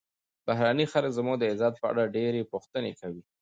بهرني خلک زموږ د عزت په اړه ډېرې پوښتنې کوي.